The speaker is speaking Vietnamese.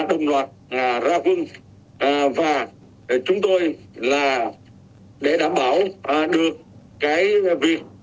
đồng loạt ra quân và chúng tôi là để đảm bảo được cái việc